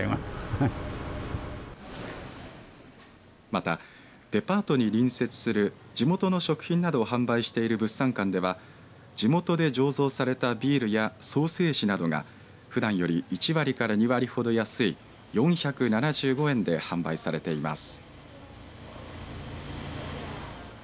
また、デパートに隣接する地元の食品などを販売している物産館では地元で醸造されたビールやソーセージなどがふだんより１割から２割ほど安い４７５円で販売されています。